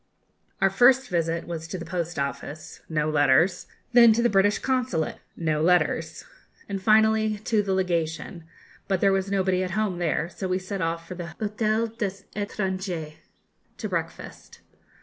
Our first visit was to the post office 'no letters' then to the British Consulate 'no letters' and finally to the Legation, but there was nobody at home there; so we set off for the Hôtel des Etrangers, to breakfast.